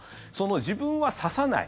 自分は指さない。